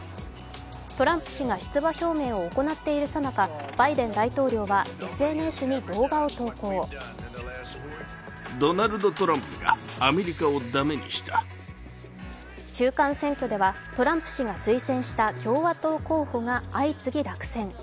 トランプ氏が出馬表明を行っているさなか、バイデン大統領はＳＮＳに動画を投稿中間選挙ではトランプ氏が推薦した共和党候補が相次ぎ落選。